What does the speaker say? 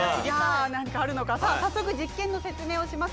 早速実験の説明をします。